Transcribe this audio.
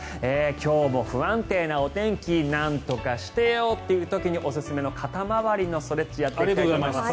今日も不安定なお天気なんとかしてよー！という時におすすめの肩回りのストレッチをやっていきたいと思います。